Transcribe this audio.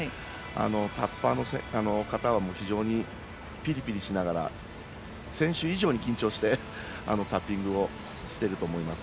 タッパーの方は非常にピリピリしながら選手以上に緊張してタッピングをしてると思います。